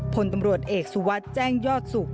ผลตำรวจเอกสุวัสดิ์แจ้งยอดสุข